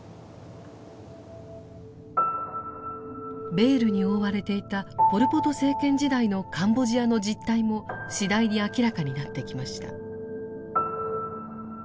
ベールに覆われていたポル・ポト政権時代のカンボジアの実態も次第に明らかになってきました。